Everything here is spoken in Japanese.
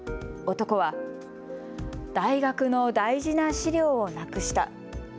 男は大学の大事な資料をなくした。